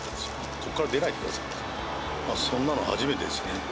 ここから出ないでくださいって、そんなの初めてですね。